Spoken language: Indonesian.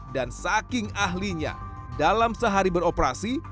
dan saking ahlinya dalam sehari beroperasi